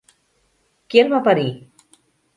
Qui el va parir?